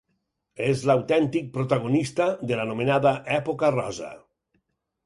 És l'autèntic protagonista de l'anomenada època rosa.